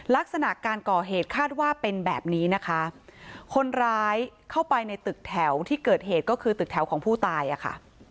ลักษณะการก่อเหตุคาดว่าเป็นแบบนี้นะคะคนร้ายเข้าไปในตึกแถวที่เกิดเหตุก็คือตึกแถวของผู้ตายอ่ะค่ะ